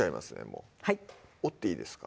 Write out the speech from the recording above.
もうはい折っていいですか？